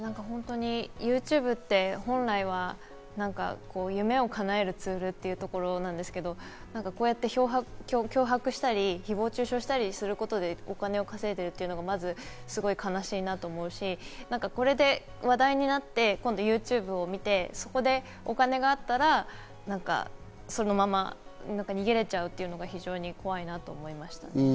ＹｏｕＴｕｂｅって本来は夢を叶えるツールというところなんですけど、脅迫したり、誹謗・中傷したりすることでお金を稼いでいるというのがまず悲しいなと思うし、これで話題になってＹｏｕＴｕｂｅを見てそこでお金があったら、そのまま逃げられちゃうというのが、非常に怖いなと思いました。